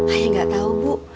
ayah gak tau bu